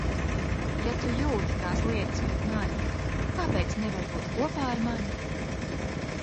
Ja tu jūti tās lietas pret mani, kāpēc nevari būt kopā ar mani?